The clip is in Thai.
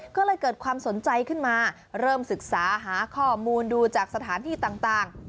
ก็เลยเกิดความสนใจขึ้นมาเริ่มศึกษาหาข้อมูลดูจากสถานที่ต่าง